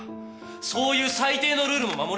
そういう最低のルールも守れないのか